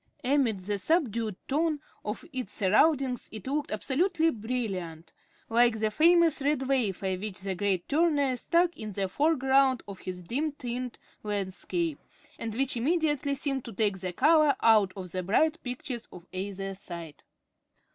Amid the subdued tone of its surroundings it looked absolutely brilliant, like the famous red wafer which the great Turner stuck in the foreground of his dim tinted landscape, and which immediately seemed to take the color out of the bright pictures on either side.